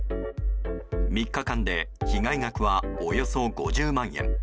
３日間で被害額はおよそ５０万円。